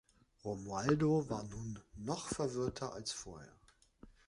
Romualdo ist nun noch verwirrter als vorher.